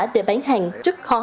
để bán hàng rất khó